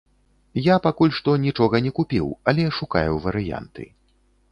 Я пакуль што нічога не купіў, але шукаю варыянты.